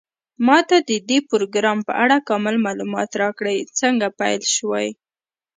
ما ته د دې پروګرام په اړه کامل معلومات راکړئ څنګه پیل شوی